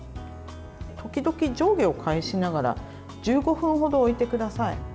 時々、上下を返しながら１５分程置いてください。